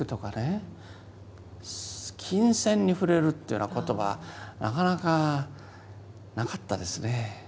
琴線に触れるっていうような言葉はなかなかなかったですね。